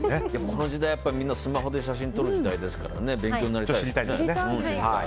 この時代、みんなスマホで写真を撮る時代ですから勉強になりそうですね。